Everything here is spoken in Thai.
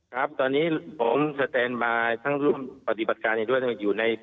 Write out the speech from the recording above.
ครับตอนนี้ผมสแตนบายทั้งร่วมปฏิบัติการอยู่ด้วย